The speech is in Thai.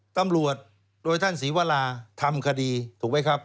ตำรวจโดยท่านศรีวราทำคดีถูกไหมครับ